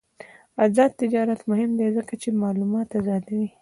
آزاد تجارت مهم دی ځکه چې معلومات آزادوي.